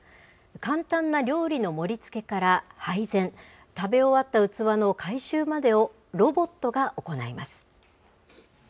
簡単な料理の盛りつけから配膳、食べ終わった器の回収までをロボットが行います。